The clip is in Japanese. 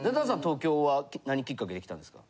東京は何きっかけで来たんですか？